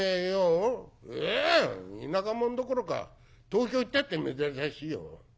「ううん田舎者どころか東京行ったって珍しいよ。